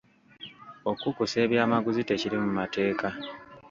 Okukusa ebyamaguzi tekiri mu mateeka.